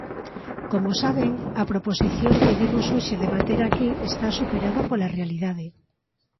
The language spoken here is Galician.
Como saben, a proposición que vimos hoxe debater aquí está superada pola realidade.